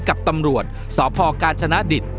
กับตำรวจสพกาญชนะดิต